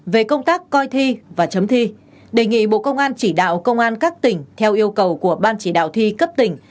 về công tác coi thi và chấm thi đề nghị bộ công an chỉ đạo công an các tỉnh theo yêu cầu của ban chỉ đạo thi cấp tỉnh